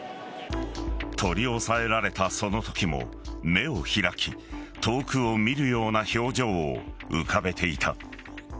取り押さえられたそのときも目を開き遠くを見るような表情を浮かべていた。